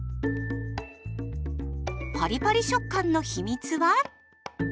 パリパリ食感の秘密は？